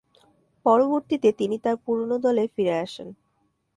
পরবর্তীতে, তিনি তার পুরোনো দলে ফিরে আসেন।